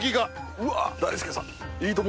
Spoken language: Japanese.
うわ大輔さん。